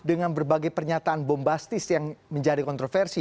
dengan berbagai pernyataan bombastis yang menjadi kontroversi